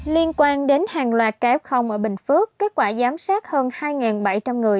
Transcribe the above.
liên quan đến hàng loạt kéo ở bình phước kết quả giám sát hơn hai bảy trăm linh người